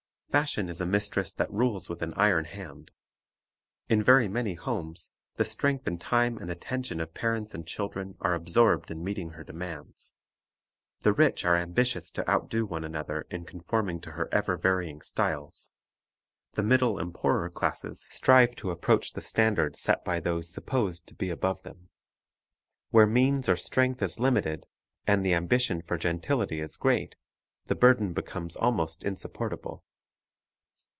Fashion is a mistress that rules with an iron hand. In very many homes the strength and time and atten tion of parents and children are absorbed in meeting her demands. The rich are ambitious to outdo one another in conforming to her ever varying styles; the middle and poorer classes strive to approach the standard set by those supposed to be above them. Where means or strength is limited, and the ambition for gentility is great, the burden becomes almost insupportable.